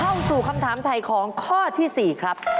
เข้าสู่คำถามถ่ายของข้อที่๔ครับ